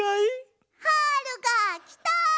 はるがきた！